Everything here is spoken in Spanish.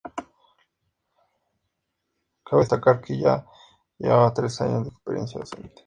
Cabe destacar que ya llevaba tres años de experiencia docente.